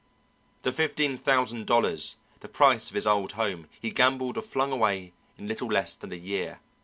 The fifteen thousand dollars the price of his old home he gambled or flung away in a little less than a year.